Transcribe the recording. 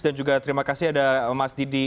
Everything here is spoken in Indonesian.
dan juga terima kasih ada mas didi